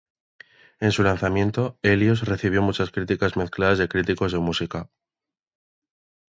En su lanzamiento, "Helios" recibió críticas mezcladas de críticos de música.